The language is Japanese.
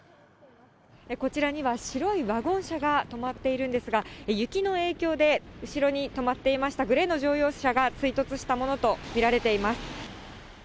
こちらには白いワゴン車が止まっているんですが、雪の影響で後ろに止まっていましたグレーの乗用車が追突したものと見られています。